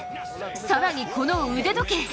更に、この腕時計。